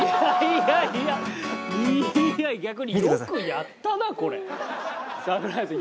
いや逆によくやったなこれ。